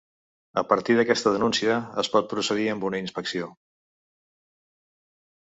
A partir d’aquesta denúncia, es pot procedir amb una inspecció.